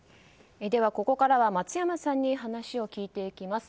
ここからは松山さんに話を聞いていきます。